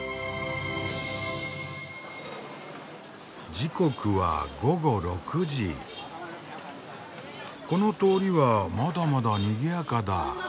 時刻はこの通りはまだまだにぎやかだ。